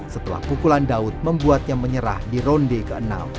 setelah pukulan daud membuatnya menyerah di ronde ke enam